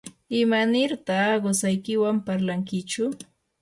¿imanirtaq qusaykiwan parlankichu?